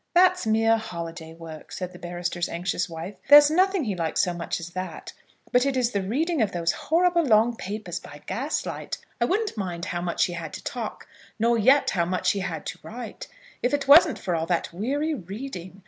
"That's mere holiday work," said the barrister's anxious wife. "There's nothing he likes so much as that; but it is the reading of those horrible long papers by gaslight. I wouldn't mind how much he had to talk, nor yet how much he had to write, if it wasn't for all that weary reading.